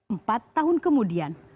empat tahun kemudian